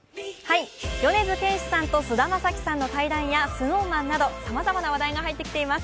米津玄師さんと菅田将暉さんの対談やＳｎｏｗＭａｎなどさまざまな話題が入ってきています。